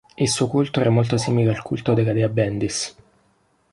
Il suo culto era molto simile al culto della dea Bendis.